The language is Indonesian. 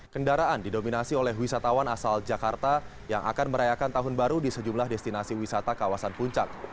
kendaraan didominasi oleh wisatawan asal jakarta yang akan merayakan tahun baru di sejumlah destinasi wisata kawasan puncak